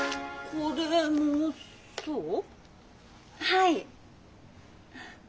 はい。